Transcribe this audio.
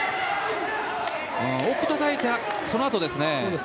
奥をたたいた、そのあとですね。